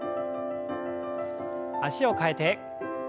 脚を替えて。